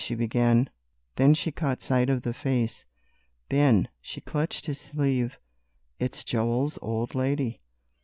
she began, then she caught sight of the face. "Ben," she clutched his sleeve, "it's Joel's old lady!"